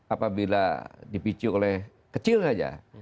apabila dipicu oleh kecil saja